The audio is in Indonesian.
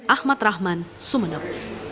ahmad rahman sumeneb